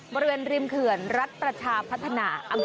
บริเวณริมเขื่อนรัฐประชาพัฒนา